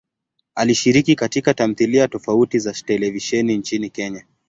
Alishiriki katika tamthilia tofauti za televisheni nchini Kenya.